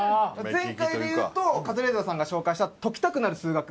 前回でいうとカズレーザーさんが紹介した『解きたくなる数学』。